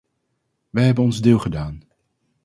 Wij hebben ons deel gedaan.